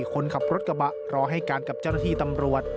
คนขับรถกระบะรอให้การกับเจ้าหน้าที่ตำรวจ